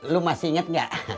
lu masih inget gak